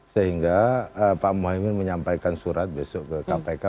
sehingga pak mohaimin menyampaikan surat besok ke kpk